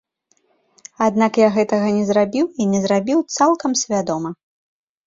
Аднак я гэтага не зрабіў, і не зрабіў цалкам свядома.